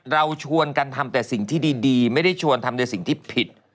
เราชวนกันทำแต่สิ่งที่ดีไม่ได้ชวนทำในสิ่งที่ผิด